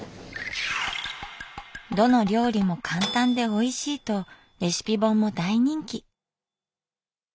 「どの料理も簡単でおいしい」とレシピ本も大人気。